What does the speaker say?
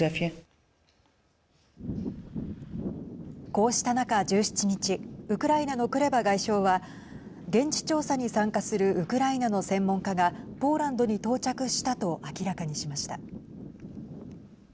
こうした中、１７日ウクライナのクレバ外相は現地調査に参加するウクライナの専門家がポーランドに到着したと明らかにしました。